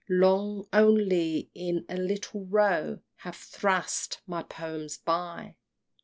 Long, only, in a little Row, Have thrust my poems by!